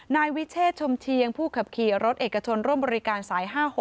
นายวิเชษชมเชียงผู้ขับขี่รถเอกชนร่วมบริการสาย๕๖